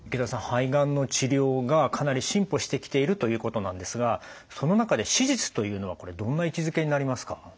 肺がんの治療がかなり進歩してきているということなんですがその中で手術というのはこれどんな位置づけになりますか？